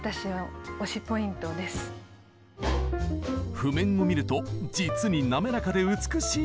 譜面を見ると実になめらかで美しい！